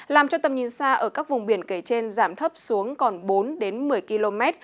làm cho tầm nhìn xa ở các vùng biển kể trên giảm thấp xuống còn bốn đến một mươi km